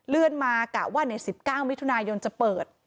เลื่อนมากะว่า๑๙วิทยุนายนจะเปิด